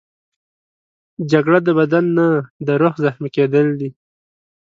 جګړه د بدن نه، د روح زخمي کېدل دي